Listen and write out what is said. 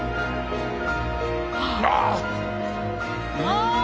ああ！